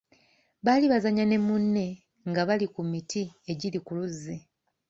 Baali bazannya ne munne nga bali ku miti egiri ku luzzi.